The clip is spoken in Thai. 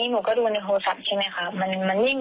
มันผลตกค่ะมันนาน